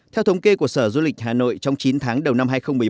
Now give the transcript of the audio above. theo thống kê của sở du lịch hà nội trong chín tháng đầu năm hai nghìn một mươi bảy